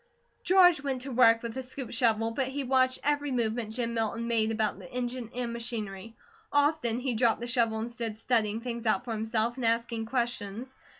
George went to work with the scoop shovel, but he watched every movement Jim Milton made about the engine and machinery. Often he dropped the shovel and stood studying things out for himself, and asking questions.